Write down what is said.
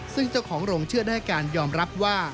ซึ่งเจ้าของโรงเชื่อได้ให้การยอมรับว่า